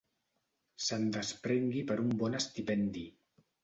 Se'n desprengui per un bon estipendi.